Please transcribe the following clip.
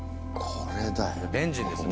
ベンヂンですよ。